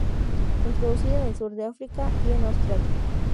Introducida en el sur de África y en Australia.